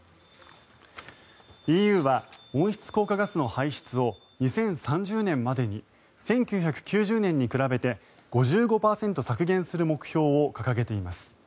ＥＵは温室効果ガスの排出を２０３０年までに１９９０年に比べて５５％削減する目標を掲げています。